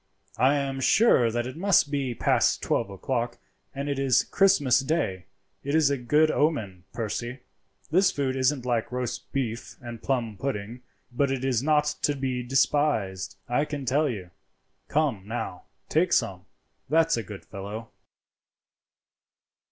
I am sure that it must be past twelve o'clock, and it is Christmas day. It is a good omen, Percy. This food isn't like roast beef and plum pudding, but it is not to be despised, I can tell you. Come, now, take some; that's a good fellow."